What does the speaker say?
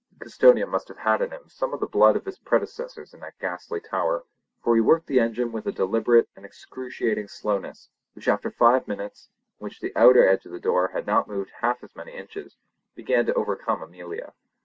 The custodian must have had in him some of the blood of his predecessors in that ghastly tower, for he worked the engine with a deliberate and excruciating slowness which after five minutes, in which the outer edge of the door had not moved half as many inches, began to overcome Amelia.